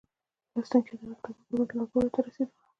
لوستونکي د هغه د کتابونو پر مټ لوړو پوړيو ته ورسېدل